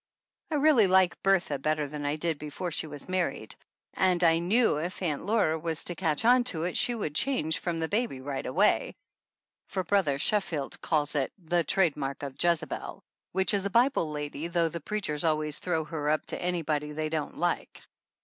I really like Bertha better than I did before she was married, and I knew if Aunt Laura was to catch on to it she would change from the baby right away, for Brother Sheffield calls it "the trade mark of Jezebel," which is a Bible lady, though the preachers always throw her up to anybody they don't like.